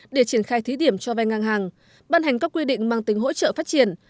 để triển khai thí điểm cho vay ngang hàng ban hành các quy định mang tính hỗ trợ phát triển